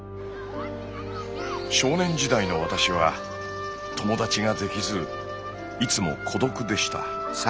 少年時代の私は友達ができずいつも孤独でした。